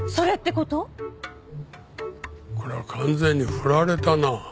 これは完全にふられたな。